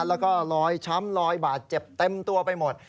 แล้วก็ลอยช้ำลอยบาดเจ็บเต็มตัวไปหมด